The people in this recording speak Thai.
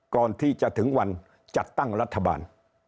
ก่อนที่จะถึงวันจัดตั้งรัฐบาล